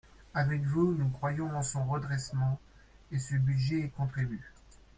Avec vous, nous croyons en son redressement et ce budget y contribue